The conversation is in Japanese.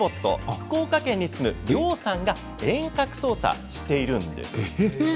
福岡県に住む、りょーさんが遠隔操作しているんです。